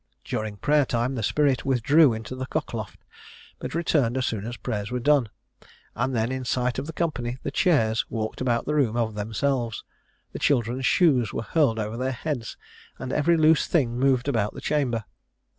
During prayer time, the spirit withdrew into the cock loft, but returned as soon as prayers were done; and then, in sight of the company, the chairs walked about the room of themselves, the children's shoes were hurled over their heads, and every loose thing moved about the chamber.